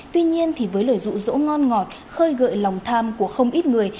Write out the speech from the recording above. tuy nhiên thì với lời rụ rỗ ngon ngọt khơi gợi lòng tham của không ít người